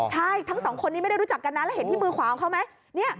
ใช่ทั้งสองคนนี้ไม่ได้รู้จักกันนะแล้วเห็นที่มือขวาของเขาไหม